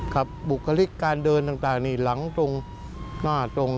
บุคลิกการเดินต่างนี่หลังตรงหน้าตรง